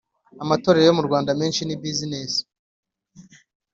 Amatorero yo mu Rwanda amenshi ni buzinesi